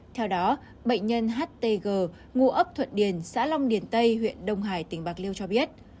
theo đó bệnh nhân htg ngụ ấp thuận điền xã long điền tây huyện đông hải tỉnh bạc liêu cho biết